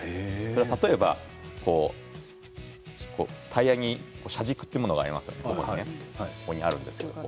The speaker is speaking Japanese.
例えばタイヤに車軸というものがありますね。